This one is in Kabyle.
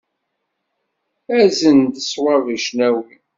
Azen-d ṣwab i cnawi.